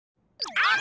あっ！